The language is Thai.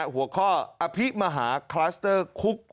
หัวข้ออภิมหาคลัสเตอร์คุก